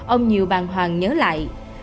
ông nhiều bàn hoàng nhớ lại